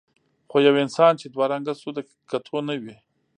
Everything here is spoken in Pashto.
خو یو انسان چې دوه رنګه شو د کتو نه وي.